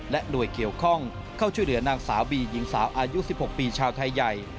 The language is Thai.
หน่วยเกี่ยวข้องเข้าช่วยเหลือนางสาวบีหญิงสาวอายุ๑๖ปีชาวไทยใหญ่